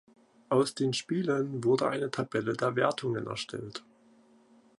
Aus den Spielen wurde eine Tabelle der Wertungen erstellt.